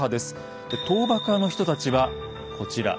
倒幕派の人たちはこちら。